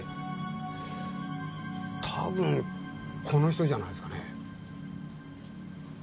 多分この人じゃないですかね。